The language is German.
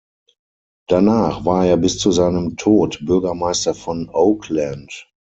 Danach war er bis zu seinem Tod Bürgermeister von Oakland.